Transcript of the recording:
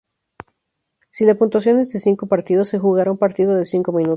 Si la puntuación es de cinco partidos, se jugará un partido de cinco minutos.